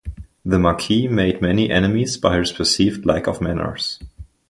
The Marquis made many enemies by his perceived lack of manners.